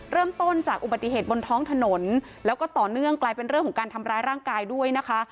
เริ่มต้นจากอุบัติเหตุบนท้องถนนแล้วก็ต่อเนื่องกลายเป็นเรื่องของการทำร้ายร่างกายด้วยนะคะ